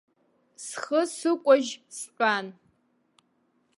Схы сыкәажь стәан.